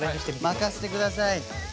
任せてください！